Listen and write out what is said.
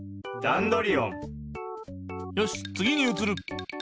よしつぎにうつる。